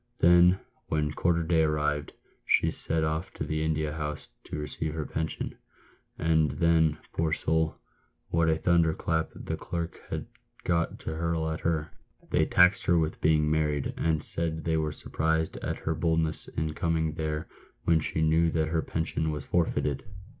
Then, when quarter day arrived, she set off to the India House to receive her pension ! and then, poor soul ! what a thunderclap the clerks had got to hurl at her. They taxed her with being married, and said they were surprised at her boldness in coming there when .she knew that her pension was forfeited."